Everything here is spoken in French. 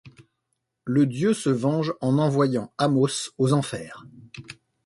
Le dieu se venge en envoyant Amos aux Enfers.